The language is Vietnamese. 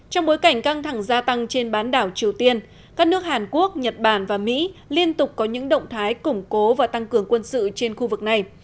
trong bối cảnh căng thẳng gia tăng trên bán đảo triều tiên các nước hàn quốc nhật bản và mỹ liên tục có những động thái củng cố và tăng cường quân sự trên khu vực này